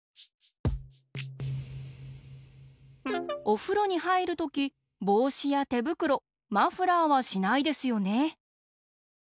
おふろにはいるときぼうしやてぶくろマフラーはしないですよね。